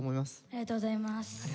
ありがとうございます。